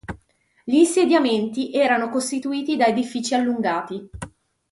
Gli insediamenti erano costituiti da edifici allungati.